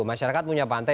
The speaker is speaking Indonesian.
masyarakat punya pantai